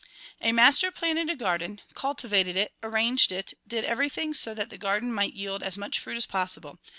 "A master planted a garden, cultivated it, arranged it, did everything so that the garden might yield as much fruit as possible.